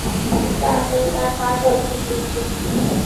下分廿八个自治市。